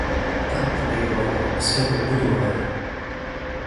Ta pobiegła do swego buduaru.